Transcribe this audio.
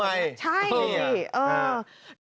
มึงตัดทำไม